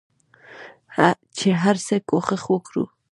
چې هرڅه کوښښ وکړ